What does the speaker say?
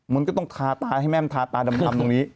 มันก็ต้องทาตาให้แม่มันทาตาดำตรงนี้